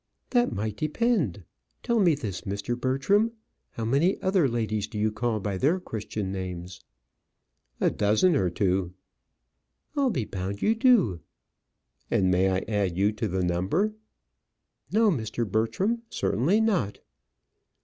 "That might depend Tell me this, Mr. Bertram: How many other ladies do you call by their Christian names?" "A dozen or two." "I'll be bound you do." "And may I add you to the number?" "No, Mr. Bertram; certainly not."